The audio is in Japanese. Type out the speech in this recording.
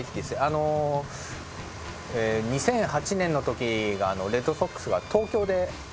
あの２００８年の時がレッドソックスが東京で開幕だったんですけど。